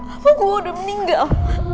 apa gue udah meninggal